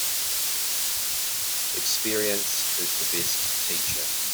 Experience is the best teacher.